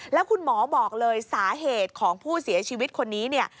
แล้วคุณหมอบอกเลยสาเหตุของผู้เสียชีวิตคนนี้เนี่ย